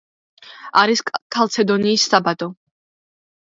არის ქალცედონის საბადო.